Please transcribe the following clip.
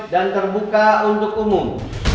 dan terbuka untuk umum